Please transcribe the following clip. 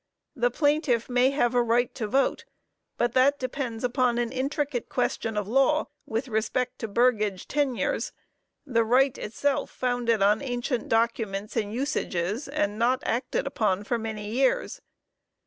The plaintiff may have a right to vote, but that depends upon an intricate question of law, with respect to burgage tenures_; the right itself founded on ancient documents and usages, and not acted upon for many years....